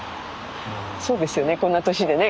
そうですよねこんな年でね